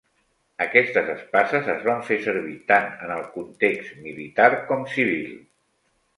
Aquestes espases es van fer servir tant en el context militar com civil.